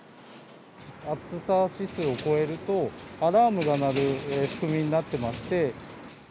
暑さ指数を超えると、アラームが鳴る仕組みになってまして。